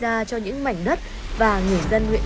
là bà nguyễn văn mạnh và nguyễn văn dũng